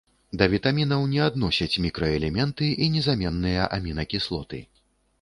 Да вітамінаў не адносяць мікраэлементы і незаменныя амінакіслоты.